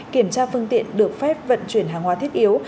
kiểm tra phương tiện được phép vận chuyển hàng hóa thiết yếu